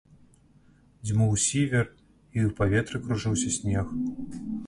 Дзьмуў сівер, і ў паветры кружыўся снег.